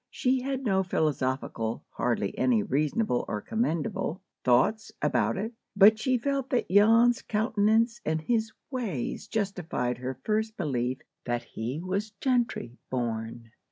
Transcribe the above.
She had no philosophical—hardly any reasonable or commendable—thoughts about it. But she felt that Jan's countenance and his "ways" justified her first belief that he was "gentry born."